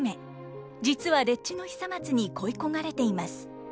実は丁稚の久松に恋い焦がれています。